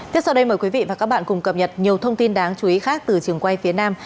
tiếp sau đây mời quý vị và các bạn cùng cập nhật nhiều thông tin đáng chú ý khác từ trường quay phía nam